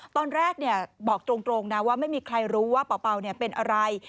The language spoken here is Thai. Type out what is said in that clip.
ตอนแรกบอกตรงนะว่าไม่มีใครรู้ว่าเป่าเป็นอะไร